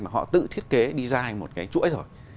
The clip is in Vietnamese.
mà họ tự thiết kế design một cái chuỗi rồi